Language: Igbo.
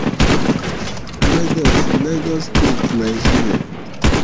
Lagos, Lagos steeti. Naijiria.